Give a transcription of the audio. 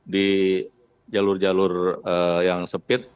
di jalur jalur yang sepit